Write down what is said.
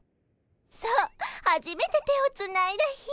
そうはじめて手をつないだ日。